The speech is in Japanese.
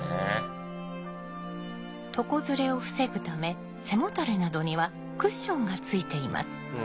床ずれを防ぐため背もたれなどにはクッションがついています。